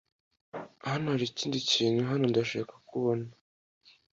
Hano hari ikindi kintu hano ndashaka ko ubona.